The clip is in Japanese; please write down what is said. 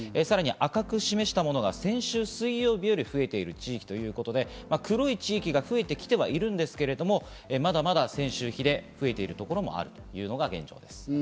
さらに赤く示したものが先週水曜日より増えている地域、黒い地域が増えてきてはいるんですけれども、まだまだ先週比で増えているところもあるというのが現状です。